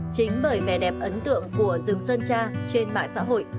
chính bởi vẻ đẹp ấn tượng của rừng sơn tra trên mạng xã hội